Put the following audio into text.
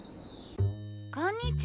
こんにちは！